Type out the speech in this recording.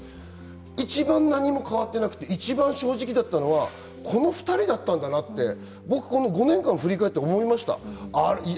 一番何も変わっていなくて正直だったのはこの２人だったんだなと５年間を振り返って思いました。